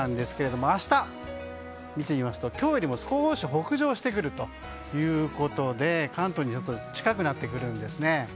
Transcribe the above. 今日はこの辺りの位置ですが明日、見てみますと今日よりも少し北上してくるということで関東に近くなってくるんですね。